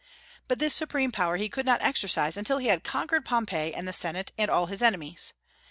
But this supreme power he could not exercise until he had conquered Pompey and the Senate and all his enemies.